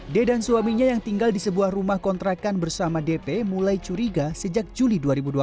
d dan suaminya yang tinggal di sebuah rumah kontrakan bersama dp mulai curiga sejak juli dua ribu dua puluh